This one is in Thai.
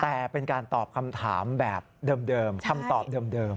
แต่เป็นการตอบคำถามแบบเดิมคำตอบเดิม